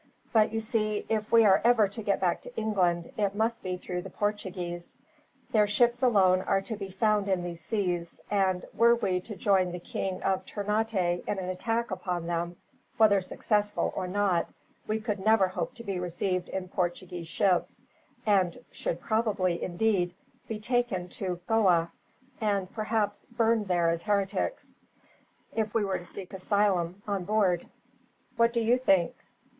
"But you see, if we are ever to get back to England, it must be through the Portuguese. Their ships alone are to be found in these seas, and were we to join the King of Ternate in an attack upon them, whether successful or not, we could never hope to be received in Portuguese ships; and should probably, indeed, be taken to Goa, and perhaps burned there as heretics, if we were to seek an asylum on board. "What do you think?"